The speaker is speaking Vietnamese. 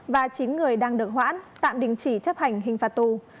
và chín người đang được hoãn tạm đình chỉ chấp hành hình phạt tù